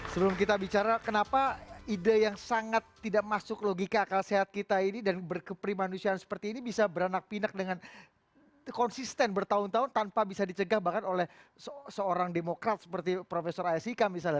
sebelum kita bicara kenapa ide yang sangat tidak masuk logika akal sehat kita ini dan berkeperimanusiaan seperti ini bisa beranak pinak dengan konsisten bertahun tahun tanpa bisa dicegah bahkan oleh seorang demokrat seperti profesor aysica misalnya